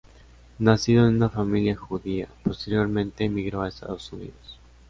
Nacido en una familia judía, posteriormente emigró a Estados Unidos.